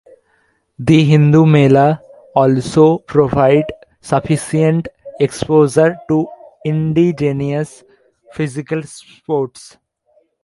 The Hindu "Mela" also provided sufficient exposure to indigenous physical sports.